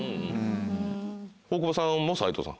大久保さんも斎藤さん。